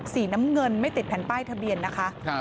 สีน้ำเงินไม่ติดแผ่นป้ายทะเบียนนะคะ